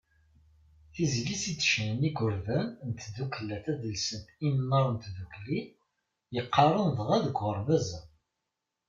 Tizlit i d-ccnan yigerdan n tdukkla tadelsant Imnar n Tdukli, yeqqaren dɣa deg uɣerbaz-a.